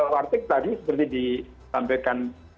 warteg tadi seperti disampaikan